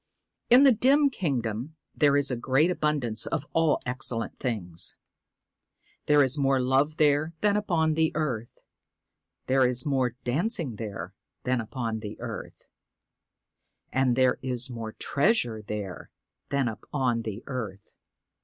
In the dim kingdom there is a great abundance of all excellent things. There is more love there than upon the earth ; there is more dancing there than upon the earth ; and there is more treasure there than upon the earth.